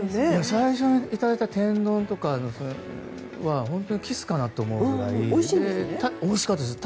最初にいただいた天丼とかはキスかなと思うぐらいおいしかったですよ。